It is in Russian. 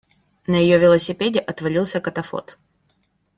На её велосипеде отвалился катафот.